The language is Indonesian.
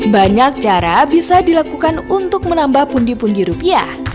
banyak cara bisa dilakukan untuk menambah pundi pundi rupiah